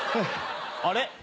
あれ？